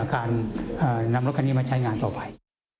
การนำรถคันนี้มาใช้งานต่อไป